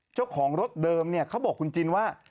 เจ้าของรถเดิมเนี่ยเขาบอกคุณจินว่า